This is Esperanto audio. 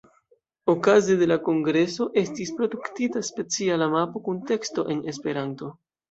Okaze de la kongreso estis produktita speciala mapo kun teksto en Esperanto.